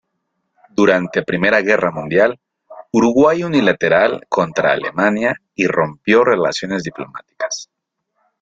Durante Primera Guerra Mundial, Uruguay unilateral contra Alemania y rompió relaciones diplomáticas.